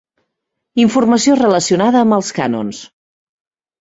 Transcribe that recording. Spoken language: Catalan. Informació relacionada amb els cànons.